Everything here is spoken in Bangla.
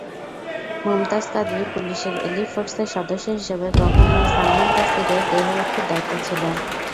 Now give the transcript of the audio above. মুমতাজ কাদরি পুলিশের এলিট ফোর্সের সদস্য হিসেবে গভর্নর সালমান তাসিরের দেহরক্ষীর দায়িত্বে ছিলেন।